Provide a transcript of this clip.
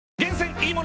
いいもの